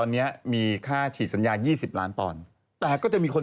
นี่เสียดายรู้ไหม